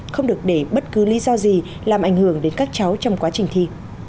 không được để bất cứ lý do gì làm ảnh hưởng đến các cháu trong quá trình thi